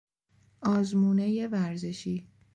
آزمونهی ورزشی